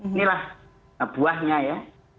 inilah buahnya ya